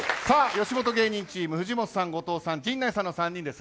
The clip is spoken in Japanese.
吉本芸人チーム藤本さん、後藤さん、陣内さんの３人です。